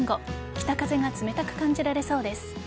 北風が冷たく感じられそうです。